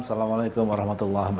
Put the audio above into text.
assalamualaikum wr wb